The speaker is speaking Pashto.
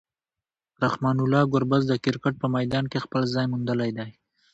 رحمان الله ګربز د کرکټ په میدان کې خپل ځای موندلی دی.